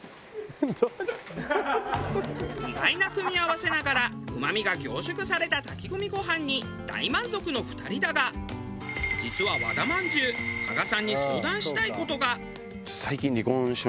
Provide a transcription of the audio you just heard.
意外な組み合わせながらうまみが凝縮された炊き込みご飯に大満足の２人だが実は和田まんじゅう加賀さんに相談したい事が。